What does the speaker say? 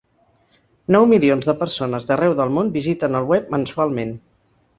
Nou milions de persones d'arreu del món visiten el web mensualment.